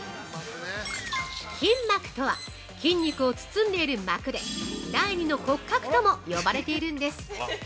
◆筋膜とは、筋肉を包んでいる膜で第２の骨格とも呼ばれているんです。